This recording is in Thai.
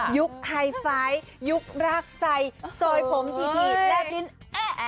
ยุคไทยฟ้ายยุครากใสซอยผมทีและกินแอ๊ะ